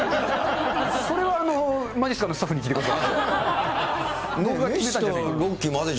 それは、あの、まじっすかのスタッフに聞いてください。